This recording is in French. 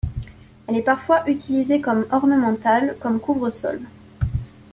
Elle est parfois utilisée comme ornementale, comme couvre-sol.